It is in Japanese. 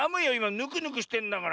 ぬくぬくしてんだから。